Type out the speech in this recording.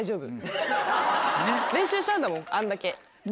練習したんだもんあんだけ。